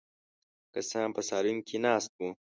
کسان په سالون کې ناست وو.